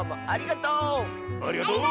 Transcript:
ありがとう！